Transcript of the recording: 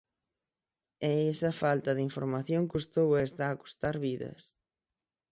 E esa falta de información custou e está a custar vidas.